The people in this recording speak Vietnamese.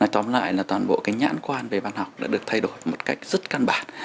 tóm lại là toàn bộ cái nhãn quan về văn học đã được thay đổi một cách rất căn bản